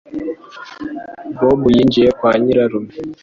Bob yinjiye kwa nyirarume.